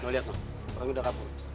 lihat orang itu udah kapur